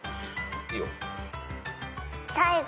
いいよ。